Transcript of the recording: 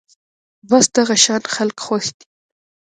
بس دغه شان خلک خوښ دي